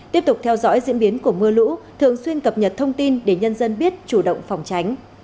tiếp tục theo dõi diễn biến của mưa lũ thường xuyên cập nhật thông tin để nhân dân biết chủ động phòng tránh